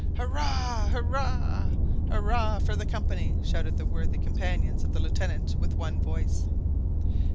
"Hurrah! hurrah! hurrah for the Company!" shouted the worthy companions of the Lieutenant with one voice.